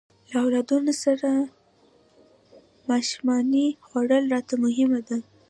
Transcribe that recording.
له اولادونو سره ماښامنۍ خوړل راته مهمه ده.